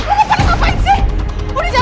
bagaimana dewa mencetaknya